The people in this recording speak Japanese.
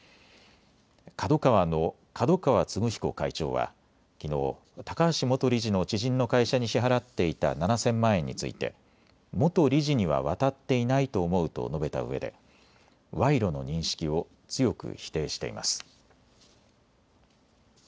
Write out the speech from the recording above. ＫＡＤＯＫＡＷＡの角川歴彦会長はきのう高橋元理事の知人の会社に支払っていた７０００万円について元理事には渡っていないと思うと述べたうえで賄賂の認識を強く否定しています。